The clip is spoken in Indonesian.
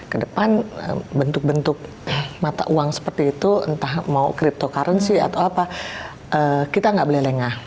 kedepan bentuk bentuk mata uang seperti itu entah mau cryptocurrency atau apa kita nggak boleh lengah